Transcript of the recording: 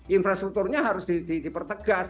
infrastrukturnya harus dipertegas